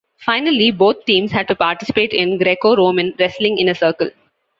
Finally, both teams had to participate in Greco-Roman wrestling in a circle.